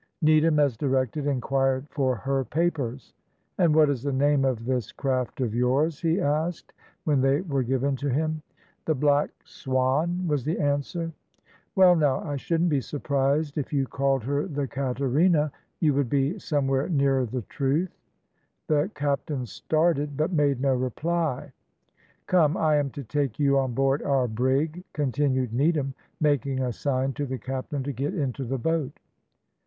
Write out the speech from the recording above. Needham, as directed, inquired for her papers "And what is the name of this craft of yours?" he asked, when they were given to him. "The Black Swan," was the answer. "Well now, I shouldn't be surprised if you called her the Caterina, you would be somewhere nearer the truth." The captain started, but made no reply. "Come, I am to take you on board our brig," continued Needham, making a sign to the captain to get into the boat.